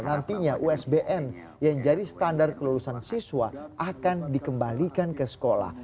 nantinya usbn yang jadi standar kelulusan siswa akan dikembalikan ke sekolah